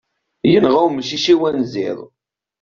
Yenɣa umcic-iw anziḍ.